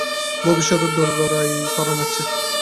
ভবিষ্যত দোরগোড়ায় কড়া নাড়ছে।